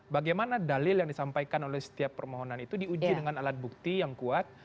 bagaimana dalil yang disampaikan oleh setiap permohonan itu diuji dengan alat bukti yang kuat